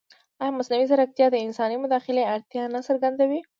ایا مصنوعي ځیرکتیا د انساني مداخلې اړتیا نه څرګندوي؟